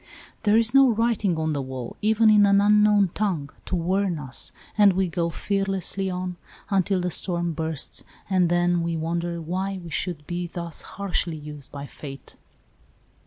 There is no writ ALICE ; OR, THE WAGES OF SIN. 25 ing on the wall, even in an unknown tongue, to warn us, and we go fearlessly on, until the storm bursts, and then we wonder why we should be thus harshly used by Fate.